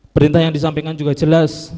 perintah yang disampaikan juga jelas